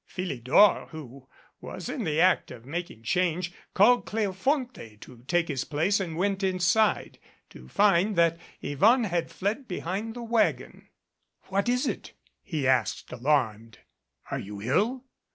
Philidor, who was in the act of making change, called Cleofonte to take his place and went inside, to find that Yvonne had fled behind the wagon. "What is it?" he asked, alarmed. "Are you ill?"